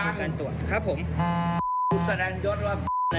ลูกออกขางไปแล้วล่ะ